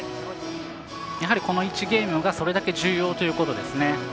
この１ゲームがそれだけ重要ということですね。